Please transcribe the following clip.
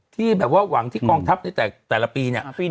ที่แบบว่าหวังที่กองทัพในแต่ละปีเนี่ย